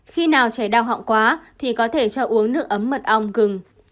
khi nào chảy đau họng quá thì có thể cho uống nước ấm mật ong gừng